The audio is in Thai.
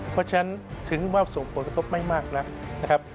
เพราะฉะนั้นถึงว่าส่งผลกระทบไม่มากนักนะครับ